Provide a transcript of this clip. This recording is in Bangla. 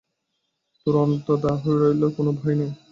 তোর অন্তুদা রইল, কোনো ভয় নেই।